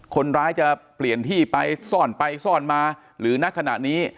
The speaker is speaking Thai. คนร้ายจะเปลี่ยนที่ไปซ่อนไปซ่อนมาหรือนักขณะนี้